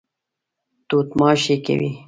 توت ماشې کوي.